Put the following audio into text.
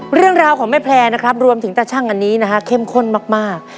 เรื่องราวของแม่แพลร์นะครับรวมถึงตาชั่งอันนี้นะฮะเข้มข้นมาก